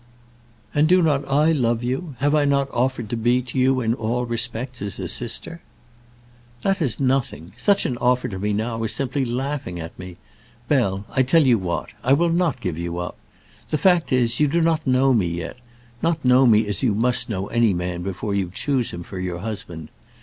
"And do I not love you? Have I not offered to be to you in all respects as a sister?" "That is nothing. Such an offer to me now is simply laughing at me. Bell, I tell you what, I will not give you up. The fact is, you do not know me yet, not know me as you must know any man before you choose him for your husband.